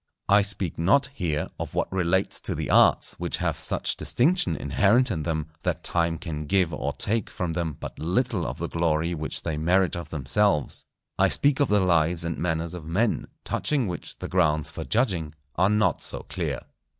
I speak not, here, of what relates to the arts, which have such distinction inherent in them, that time can give or take from them but little of the glory which they merit of themselves. I speak of the lives and manners of men, touching which the grounds for judging are not so clear.